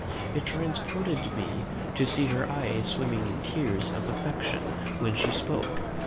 It transported me to see her eyes swimming in tears of affection when she spoke.